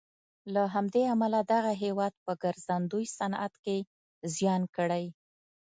له همدې امله دغه هېواد په ګرځندوی صنعت کې زیان کړی.